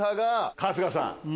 春日さん